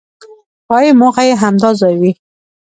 ښایي موخه یې همدا ځای وي.